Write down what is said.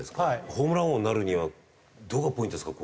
ホームラン王になるにはどこがポイントですか？